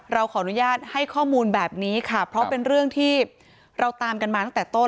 เราขออนุญาตให้ข้อมูลแบบนี้ค่ะเพราะเป็นเรื่องที่เราตามกันมาตั้งแต่ต้น